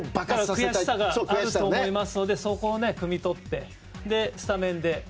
悔しさがあると思いますのでそこをくみ取って、スタメンで。